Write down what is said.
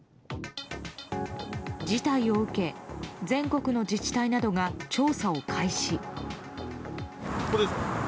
事態を受け全国の自治体などが調査を開始。